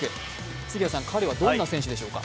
杉谷さん、どんな選手でしょうか？